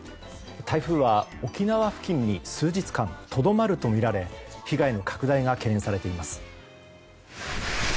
台風は沖縄付近に数日間とどまるとみられ被害の拡大が懸念されています。